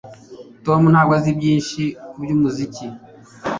Tom ntabwo azi byinshi kubyumuziki